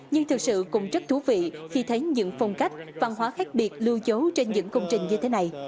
nhưng thực sự cũng rất thú vị khi thấy những phong cách văn hóa khác biệt lưu dấu trên những công trình như thế này